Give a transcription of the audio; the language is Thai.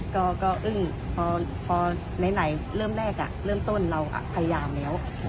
ก็รึ๊งพอในหลังไปเริ่มแรกนะเริ่มต้นเราพยายามแล้ว